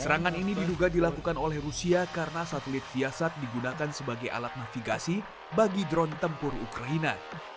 serangan ini diduga dilakukan oleh rusia karena satelit viasat digunakan sebagai alat navigasi bagi drone tempur ukraina